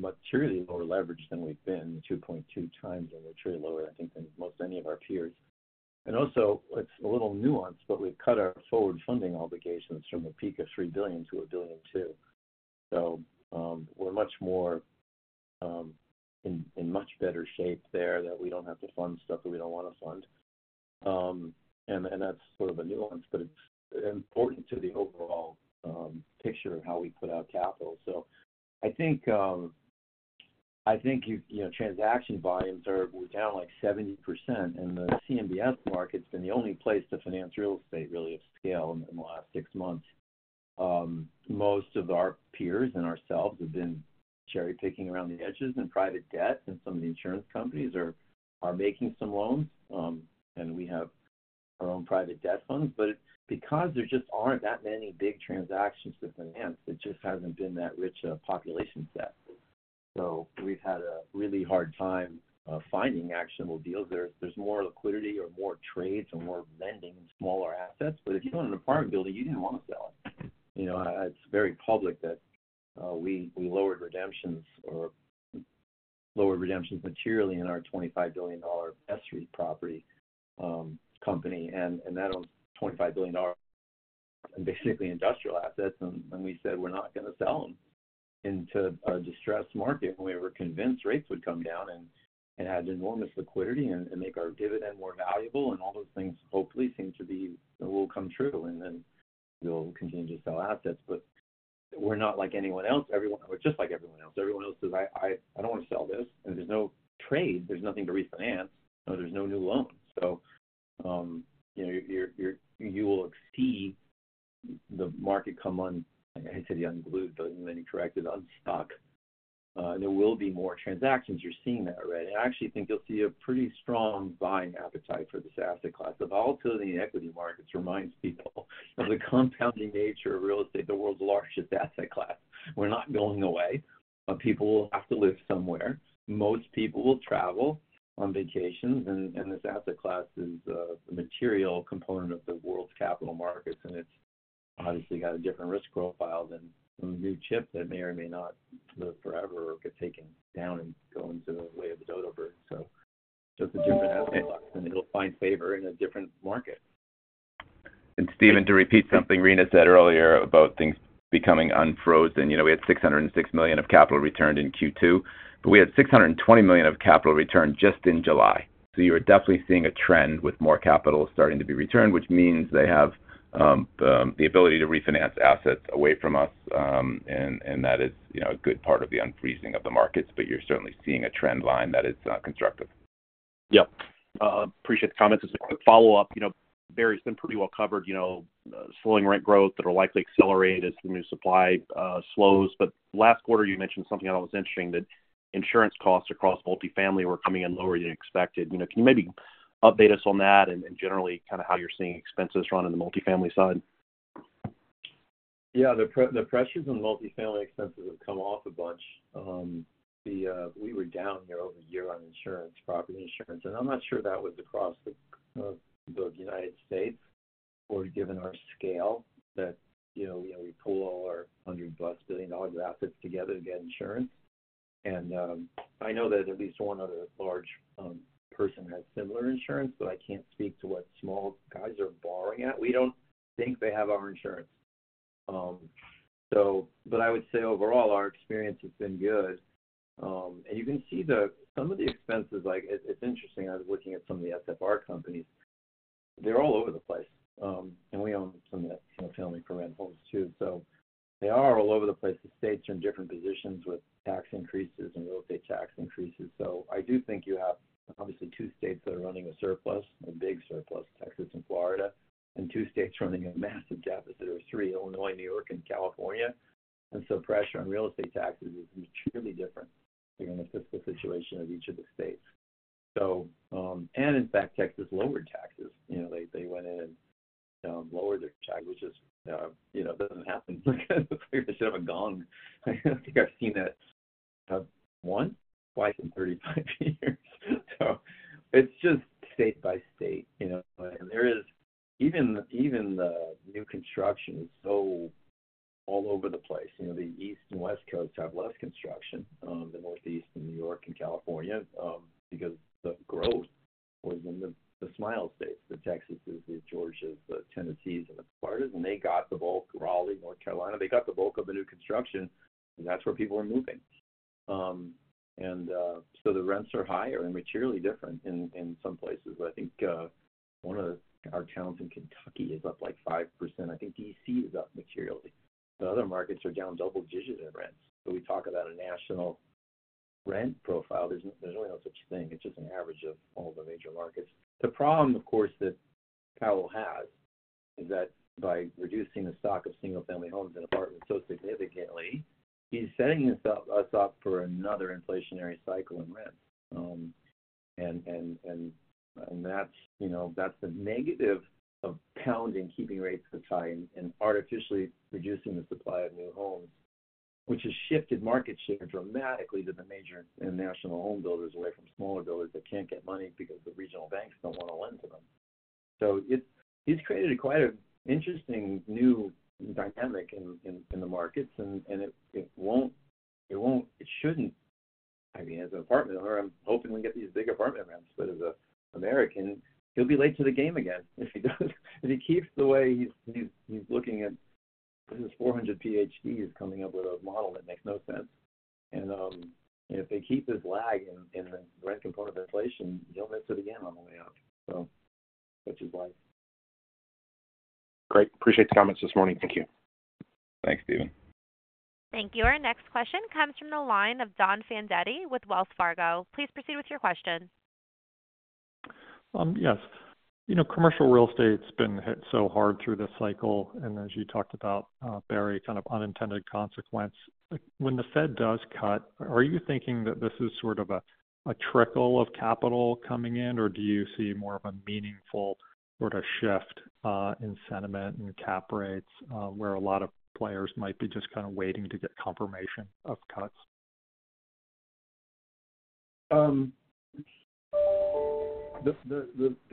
Speaker 5: materially lower leverage than we've been, 2.2 times materially lower, I think, than most any of our peers. And also, it's a little nuanced, but we've cut our forward funding obligations from a peak of $3 billion to $1.2 billion. So, we're much more in much better shape there, that we don't have to fund stuff that we don't want to fund. And that's sort of a nuance, but it's important to the overall picture of how we put out capital. I think, you know, transaction volumes are down, like, 70%, and the CMBS market's been the only place to finance real estate, really of scale in the last six months. Most of our peers and ourselves have been cherry-picking around the edges in private debt, and some of the insurance companies are making some loans, and we have our own private debt funds. But because there just aren't that many big transactions to finance, it just hasn't been that rich a population set. We've had a really hard time finding actionable deals. There's more liquidity or more trades or more lending in smaller assets, but if you own an apartment building, you didn't want to sell it. You know, it's very public that we lowered redemptions materially in our $25 billion SREIT property company, and that was $25 billion... and basically industrial assets, and we said we're not gonna sell them into a distressed market when we were convinced rates would come down and add enormous liquidity and make our dividend more valuable. And all those things hopefully seem to be, will come true, and then we'll continue to sell assets. But we're not like anyone else. Everyone— We're just like everyone else. Everyone else says, I don't want to sell this, and there's no trade, there's nothing to refinance, so there's no new loans. So, you know, you will see the market come unglued, but then you correct it, unstuck. There will be more transactions. You're seeing that already. I actually think you'll see a pretty strong buying appetite for this asset class. The volatility in the equity markets reminds people of the compounding nature of real estate, the world's largest asset class. We're not going away. People will have to live somewhere. Most people will travel on vacations, and this asset class is a material component of the world's capital markets, and it's obviously got a different risk profile than the new chip that may or may not live forever or get taken down and go into the way of the dodo bird. So it's a different asset class, and it'll find favor in a different market.
Speaker 4: And Stephen, to repeat something Rina said earlier about things becoming unfrozen. You know, we had $606 million of capital returned in Q2, but we had $620 million of capital returned just in July. So you are definitely seeing a trend with more capital starting to be returned, which means they have the ability to refinance assets away from us, and, and that is, you know, a good part of the unfreezing of the markets, but you're certainly seeing a trend line that is constructive.
Speaker 7: Yep. Appreciate the comments. Just a quick follow-up. You know, Barry's been pretty well covered, you know, slowing rent growth that will likely accelerate as the new supply slows. But last quarter, you mentioned something that was interesting, that insurance costs across multifamily were coming in lower than expected. You know, can you maybe update us on that and, and generally, kind of how you're seeing expenses run in the multifamily side?
Speaker 5: Yeah, the pressures on multifamily expenses have come off a bunch. We were down year-over-year on insurance, property insurance, and I'm not sure that was across the United States or given our scale, that, you know, we pull all our $100+ billion of assets together to get insurance. And, I know that at least one other large person has similar insurance, but I can't speak to what small guys are borrowing at. We don't think they have our insurance. So but I would say overall, our experience has been good. And you can see the... Some of the expenses, like, it's interesting, I was looking at some of the SFR companies. They're all over the place, and we own some of that single-family rentals, too. So they are all over the place. The states are in different positions with tax increases and real estate tax increases. So I do think you have, obviously, two states that are running a surplus, a big surplus, Texas and Florida, and two states running a massive deficit, or three, Illinois, New York, and California. And so pressure on real estate taxes is materially different depending on the fiscal situation of each of the states. So, and in fact, Texas lowered taxes. You know, they, they went in and lowered their taxes. You know, it doesn't happen. They should have a gong. I think I've seen that once, twice in 35 years. So it's just state by state, you know, and there is even the new construction is so all over the place. You know, the East and West Coasts have less construction, the Northeast and New York and California, because the growth was in the Smile States, the Texases, the Georgias, the Tennessees, and the Floridas, and they got the bulk. Raleigh, North Carolina, they got the bulk of the new construction, and that's where people are moving. And so the rents are higher and materially different in some places. But I think one of our towns in Kentucky is up, like, 5%. I think D.C. is up materially. The other markets are down double digits in rents. So we talk about a national rent profile. There's really no such thing. It's just an average of all the major markets. The problem, of course, that Powell has is that by reducing the stock of single-family homes and apartments so significantly, he's setting himself - us up for another inflationary cycle in rent. And that's, you know, that's the negative of pounding, keeping rates this high and artificially reducing the supply of new homes, which has shifted market share dramatically to the major and national home builders away from smaller builders that can't get money because the regional banks don't want to lend to them. So it's created quite an interesting new dynamic in the markets, and it won't - it shouldn't. I mean, as an apartment owner, I'm hoping we get these big apartment rents, but as an American, he'll be late to the game again if he does. If he keeps the way he's looking at... His 400 PhDs coming up with a model that makes no sense. If they keep this lag in the rent component of inflation, he'll miss it again on the way out. That's just life.
Speaker 7: Great. Appreciate the comments this morning. Thank you.
Speaker 4: Thanks, Stephen.
Speaker 1: Thank you. Our next question comes from the line of Don Fandetti with Wells Fargo. Please proceed with your question.
Speaker 8: Yes. You know, commercial real estate's been hit so hard through this cycle, and as you talked about, Barry, kind of unintended consequence. When the Fed does cut, are you thinking that this is sort of a trickle of capital coming in, or do you see more of a meaningful sort of shift in sentiment and cap rates, where a lot of players might be just kind of waiting to get confirmation of cuts?
Speaker 5: The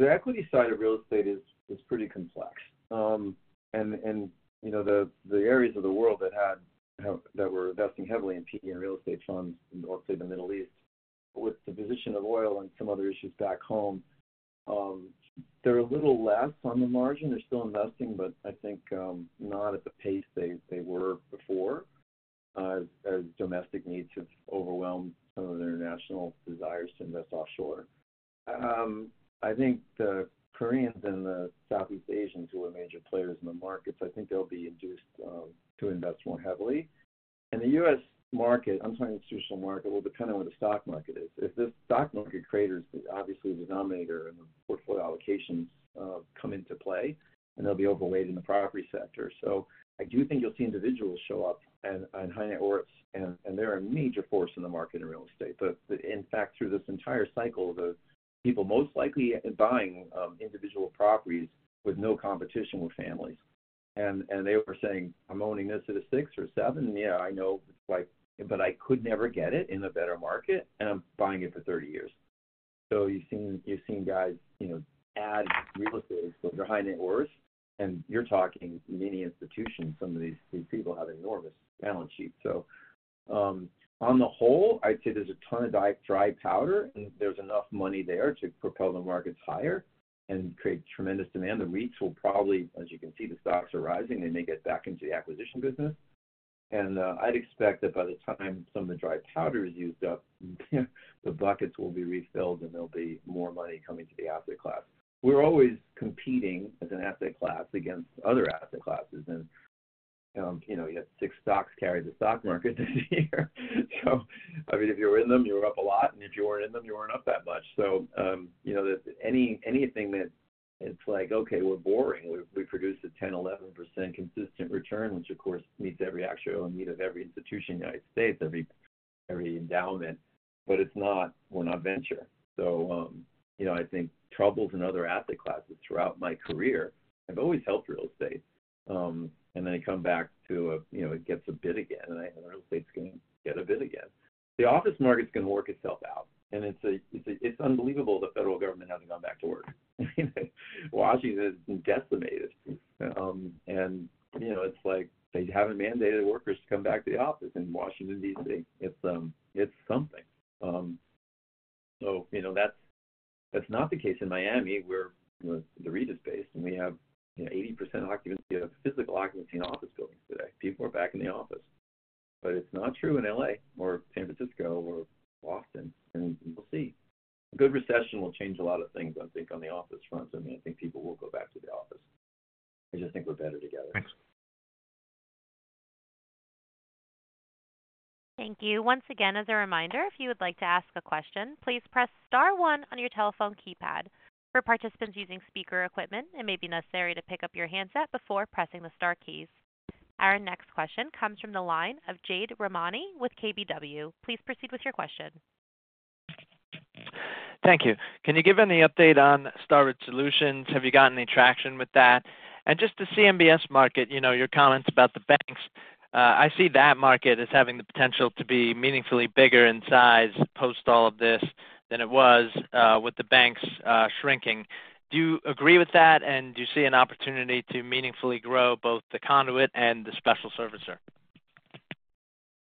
Speaker 5: equity side of real estate is pretty complex. You know, the areas of the world that had that were investing heavily in PE and real estate funds in North Asia and the Middle East. With the position of oil and some other issues back home, they're a little less on the margin. They're still investing, but I think not at the pace they were before. As domestic needs have overwhelmed some of their national desires to invest offshore. I think the Koreans and the Southeast Asians, who are major players in the markets, I think they'll be induced to invest more heavily. In the U.S. market, I'm sorry, institutional market, will depend on where the stock market is. If the stock market craters, obviously, the denominator and the portfolio allocations come into play, and they'll be overweight in the property sector. So I do think you'll see individuals show up and high net worths, and they're a major force in the market in real estate. But in fact, through this entire cycle, the people most likely buying individual properties with no competition were families. And they were saying, "I'm owning this at a six or seven. Yeah, I know, like, but I could never get it in a better market, and I'm buying it for 30 years." So you've seen guys, you know, add real estate. So they're high net worth, and you're talking mini institutions. Some of these people have enormous balance sheets. So, on the whole, I'd say there's a ton of dry powder, and there's enough money there to propel the markets higher and create tremendous demand. The REITs will probably, as you can see, the stocks are rising. They may get back into the acquisition business. And, I'd expect that by the time some of the dry powder is used up, the buckets will be refilled, and there'll be more money coming to the asset class. We're always competing as an asset class against other asset classes, and, you know, you have six stocks carry the stock market this year. So I mean, if you're in them, you're up a lot, and if you weren't in them, you weren't up that much. So, you know, anything that's, it's like, okay, we're boring. We produce a 10-11% consistent return, which of course meets every actuarial need of every institution in the United States, every endowment. But it's not, we're not venture. So, you know, I think troubles in other asset classes throughout my career have always helped real estate. And then I come back to, you know, it gets a bid again, and I think real estate's going to get a bid again. The office market's going to work itself out, and it's unbelievable the federal government hasn't gone back to work. Washington has been decimated. You know, it's like they haven't mandated workers to come back to the office in Washington, D.C. It's something. So, you know, that's not the case in Miami, where, you know, the REIT is based, and we have 80% physical occupancy in office buildings today. People are back in the office, but it's not true in LA or San Francisco or Boston, and we'll see. A good recession will change a lot of things, I think, on the office front. I mean, I think people will go back to the office. I just think we're better together.
Speaker 4: Thanks.
Speaker 1: Thank you. Once again, as a reminder, if you would like to ask a question, please press star one on your telephone keypad. For participants using speaker equipment, it may be necessary to pick up your handset before pressing the star keys. Our next question comes from the line of Jade Rahmani with KBW. Please proceed with your question.
Speaker 9: Thank you. Can you give any update on Starwood Solutions? Have you gotten any traction with that? And just the CMBS market, you know, your comments about the banks, I see that market as having the potential to be meaningfully bigger in size post all of this than it was, with the banks shrinking. Do you agree with that? And do you see an opportunity to meaningfully grow both the conduit and the special servicer?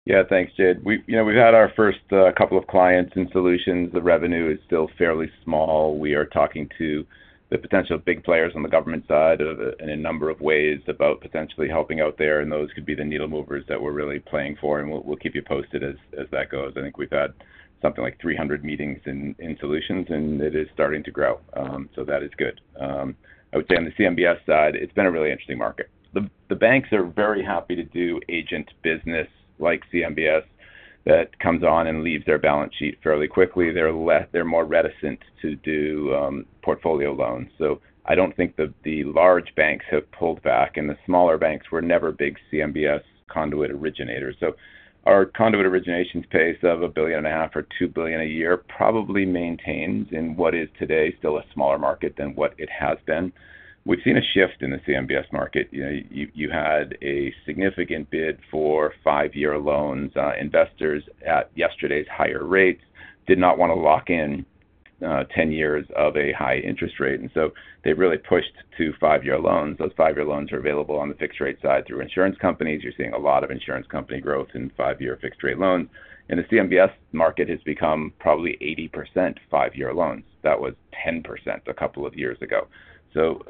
Speaker 4: Yeah, thanks, Jade. We've... You know, we've had our first couple of clients in Solutions. The revenue is still fairly small. We are talking to the potential big players on the government side of, in a number of ways about potentially helping out there, and those could be the needle movers that we're really playing for, and we'll keep you posted as that goes. I think we've had something like 300 meetings in Solutions, and it is starting to grow, so that is good. I would say on the CMBS side, it's been a really interesting market. The banks are very happy to do agent business like CMBS, that comes on and leaves their balance sheet fairly quickly. They're more reticent to do portfolio loans, so I don't think that the large banks have pulled back, and the smaller banks were never big CMBS conduit originators. So our conduit origination pace of $1.5 billion or $2 billion a year probably maintains in what is today, still a smaller market than what it has been. We've seen a shift in the CMBS market. You know, you had a significant bid for five-year loans. Investors at yesterday's higher rates did not want to lock in 10 years of a high interest rate, and so they really pushed to five-year loans. Those five-year loans are available on the fixed rate side through insurance companies. You're seeing a lot of insurance company growth in five-year fixed rate loans, and the CMBS market has become probably 80% five-year loans. That was 10% a couple of years ago. So,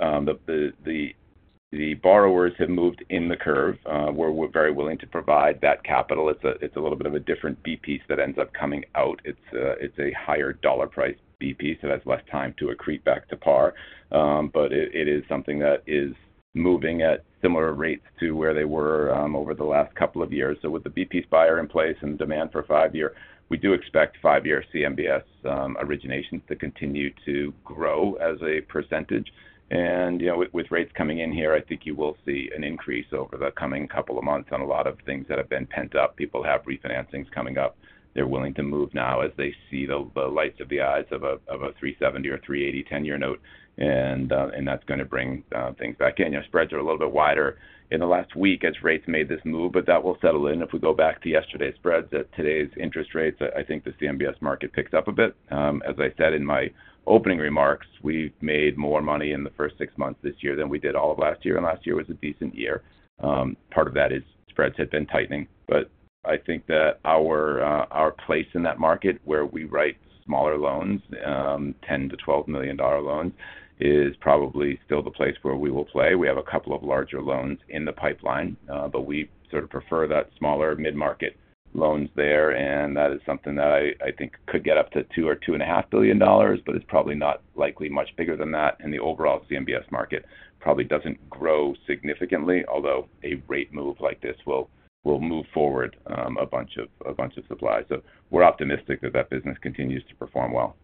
Speaker 4: the borrowers have moved in the curve, where we're very willing to provide that capital. It's a little bit of a different B-piece that ends up coming out. It's a higher dollar price B-piece, so that's less time to accrete back to par. But it is something that is moving at similar rates to where they were over the last couple of years. So with the B-piece buyer in place and demand for five-year, we do expect five-year CMBS originations to continue to grow as a percentage. And, you know, with rates coming in here, I think you will see an increase over the coming couple of months on a lot of things that have been pent up. People have refinancings coming up. They're willing to move now as they see the lights of the eyes of a 370 or 380 ten-year note, and that's going to bring things back in. You know, spreads are a little bit wider in the last week as rates made this move, but that will settle in. If we go back to yesterday's spreads, at today's interest rates, I think the CMBS market picks up a bit. As I said in my opening remarks, we've made more money in the first 6 months this year than we did all of last year, and last year was a decent year. Part of that is spreads had been tightening, but I think that our, our place in that market, where we write smaller loans, $10-$12 million loans, is probably still the place where we will play. We have a couple of larger loans in the pipeline, but we sort of prefer that smaller mid-market loans there, and that is something that I, I think could get up to $2-$2.5 billion, but it's probably not likely much bigger than that. And the overall CMBS market probably doesn't grow significantly, although a rate move like this will, will move forward a bunch of supplies. So we're optimistic that that business continues to perform well....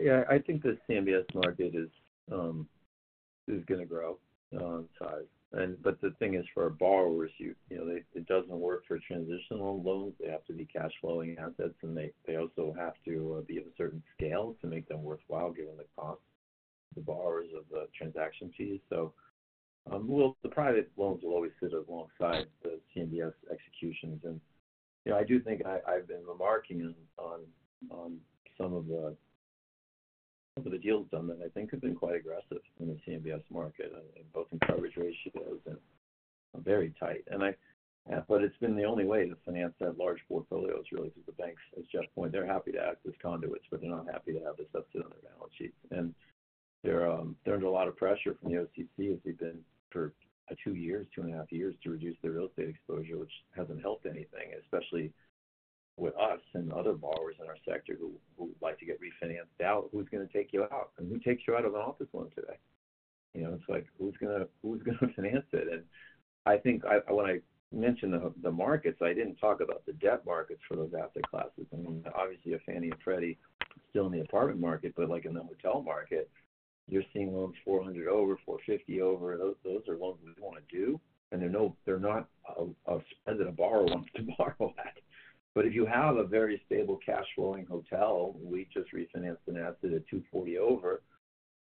Speaker 5: Yeah, I think the CMBS market is gonna grow in size. But the thing is, for our borrowers, you know, it doesn't work for transitional loans. They have to be cash flowing assets, and they also have to be of a certain scale to make them worthwhile, given the cost to the borrowers of the transaction fees. So, well, the private loans will always sit alongside the CMBS executions. And, you know, I do think I've been remarking on some of the deals done that I think have been quite aggressive in the CMBS market, both in coverage ratios and very tight. And but it's been the only way to finance that large portfolios, really, through the banks. As Jeff pointed, they're happy to act as conduits, but they're not happy to have the subsidy on their balance sheet. And they're under a lot of pressure from the OCC, as they've been for 2 years, 2.5 years, to reduce their real estate exposure, which hasn't helped anything, especially with us and other borrowers in our sector who would like to get refinanced out. Who's gonna take you out? And who takes you out of an office loan today? You know, it's like, who's gonna finance it? And I think when I mentioned the markets, I didn't talk about the debt markets for those asset classes. I mean, obviously, a Fannie and Freddie still in the apartment market, but like in the hotel market, you're seeing loans 400 over, 450 over. Those are loans we wanna do, and they're not off, off. As a borrower wants to borrow that. But if you have a very stable cash flowing hotel, we just refinanced an asset at 240 over,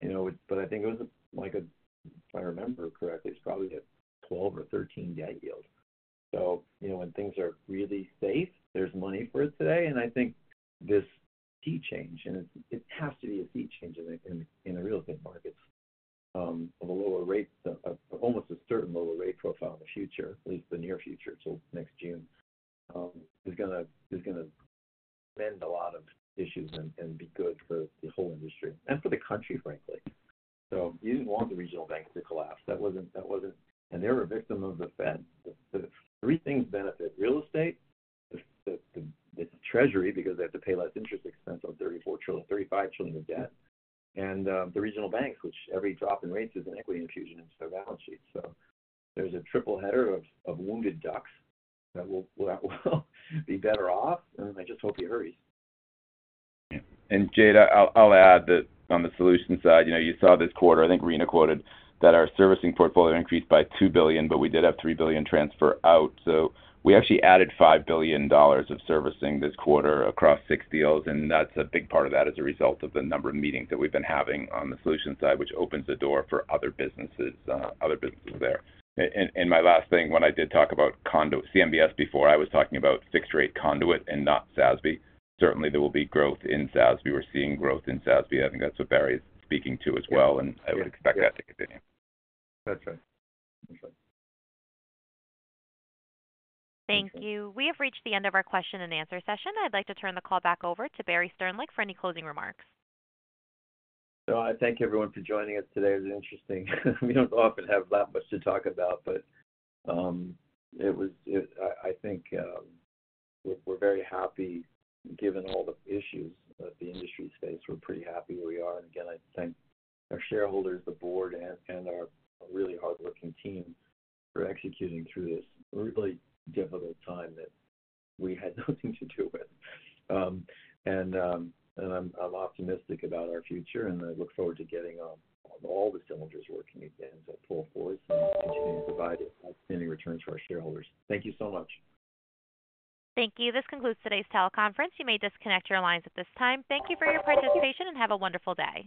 Speaker 5: you know, but I think it was like a, if I remember correctly, it's probably a 12 or 13 debt yield. So, you know, when things are really safe, there's money for it today. And I think this key change, and it has to be a key change in the real estate markets of a lower rate, of almost a certain lower rate profile in the future, at least the near future. So next June is gonna mend a lot of issues and be good for the whole industry and for the country, frankly. So you didn't want the regional banks to collapse. That wasn't... And they were a victim of the Fed. The three things benefit real estate, the Treasury, because they have to pay less interest expense on $34 trillion-$35 trillion of debt, and the regional banks, which every drop in rates is an equity infusion into their balance sheet. So there's a triple header of wounded ducks that will be better off, and I just hope he hurries.
Speaker 4: Jade, I'll add that on the solution side, you know, you saw this quarter, I think Rina quoted that our servicing portfolio increased by $2 billion, but we did have $3 billion transfer out. So we actually added $5 billion of servicing this quarter across 6 deals, and that's a big part of that as a result of the number of meetings that we've been having on the solution side, which opens the door for other businesses, other businesses there. And my last thing, when I did talk about conduit CMBS before, I was talking about fixed-rate conduit and not SASB. Certainly, there will be growth in SASB. We're seeing growth in SASB. I think that's what Barry's speaking to as well, and I would expect that to continue.
Speaker 5: That's right. That's right.
Speaker 1: Thank you. We have reached the end of our question and answer session. I'd like to turn the call back over to Barry Sternlicht for any closing remarks.
Speaker 5: So I thank everyone for joining us today. It was interesting. We don't often have that much to talk about, but I think we're very happy. Given all the issues that the industry faces, we're pretty happy where we are. And again, I thank our shareholders, the board, and our really hardworking team for executing through this really difficult time that we had nothing to do with. And I'm optimistic about our future, and I look forward to getting all the cylinders working again to pull forth and continue to provide outstanding returns for our shareholders. Thank you so much.
Speaker 1: Thank you. This concludes today's teleconference. You may disconnect your lines at this time. Thank you for your participation, and have a wonderful day.